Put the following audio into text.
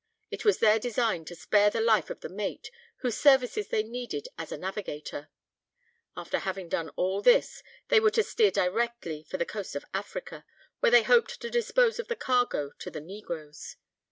It was their design to spare the life of the mate, whose services they needed as a navigator. After having done all this, they were to steer directly for the coast of Africa, where they hoped to dispose of the cargo to the negroes.